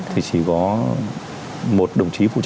thì chỉ có một đồng chí vô gia đình